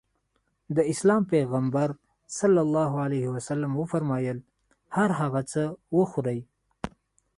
د اسلام پيغمبر ص وفرمايل هر هغه څه وخورې.